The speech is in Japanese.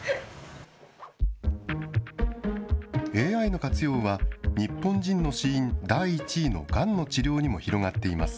ＡＩの活用は、日本人の死因、第１位のがんの治療にも広がっています。